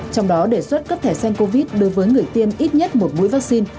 trong đó đề xuất cấp thẻ xanh covid đối với người tiêm ít nhất một mũi vaccine